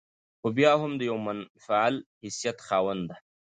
خو بيا هم د يوه منفعل حيثيت خاونده